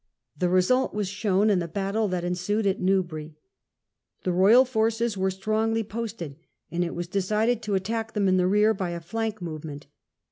The result was shown in the battle that ensued at Newbury. The Royal forces were strongly posted, and it was de cided to attack them in the rear by a flank movement.